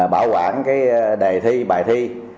bảo quản đề thi bài thi